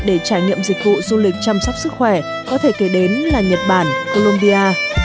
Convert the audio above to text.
để trải nghiệm dịch vụ du lịch chăm sóc sức khỏe có thể kể đến là nhật bản colombia